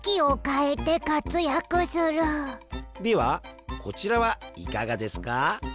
ではこちらはいかがですか？